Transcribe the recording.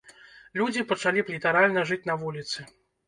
Людзі пачалі б літаральна жыць на вуліцы.